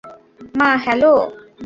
মা, হ্যালো।